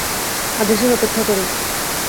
আদেশের অপেক্ষা করো!